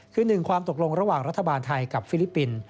คือหนึ่งความตกลงระหว่างรัฐบาลไทยกับฟิลิปปินส์